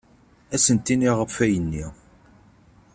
Ad asent-iniɣ ɣef ayenni.